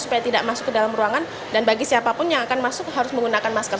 supaya tidak masuk ke dalam ruangan dan bagi siapapun yang akan masuk harus menggunakan masker